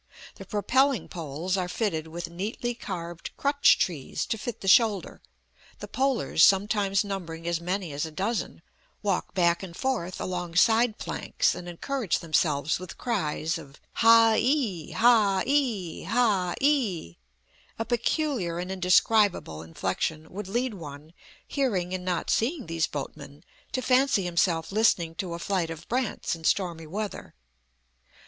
The propelling poles are fitted with neatly carved "crutch trees" to fit the shoulder; the polers, sometimes numbering as many as a dozen, walk back and forth along side planks and encourage themselves with cries of "ha i, ha i, ha i." A peculiar and indescribable inflection would lead one, hearing and not seeing these boatmen, to fancy himself listening to a flight of brants in stormy weather.